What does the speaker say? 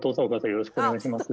よろしくお願いします。